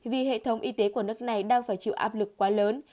vì hệ thống y tế của nước này đang phải chịu áp lực quá lớn